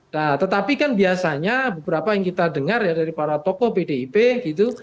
nah tetapi kan biasanya beberapa yang kita dengar ya dari para tokoh pdip gitu